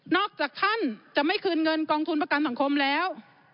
จากท่านจะไม่คืนเงินกองทุนประกันสังคมแล้ว